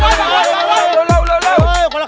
กลัวละครัด